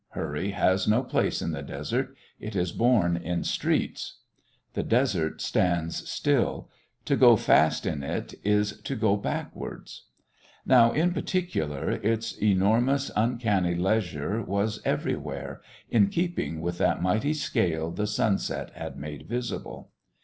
Hurry has no place in the desert; it is born in streets. The desert stands still; to go fast in it is to go backwards. Now, in particular, its enormous, uncanny leisure was everywhere in keeping with that mighty scale the sunset had made visible.